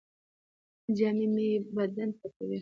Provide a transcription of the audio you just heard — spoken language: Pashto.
جامې بدن پټوي